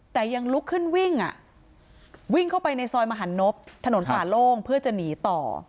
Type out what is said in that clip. แต่ยังลุกขึ้นวิ่งวิ่งเข้าไปในซอยมหันนบถนนป่าโล่งเพื่อจะหนีต่อ